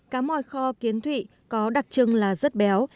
cá mòi kho kiến thụy có đặc trưng là rất béo